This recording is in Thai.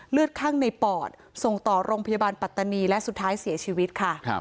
เลือดข้างในปอดส่งต่อโรงพยาบาลปัตตานีและสุดท้ายเสียชีวิตค่ะ